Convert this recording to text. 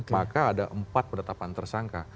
maka ada empat penetapan tersangka